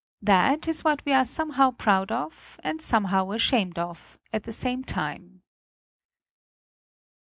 That is what we are somehow proud of, and somehow ashamed of, at the same time.